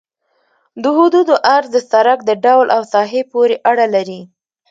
د حدودو عرض د سرک د ډول او ساحې پورې اړه لري